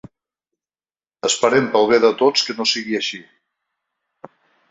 Esperem, pel bé de tots, que no sigui així.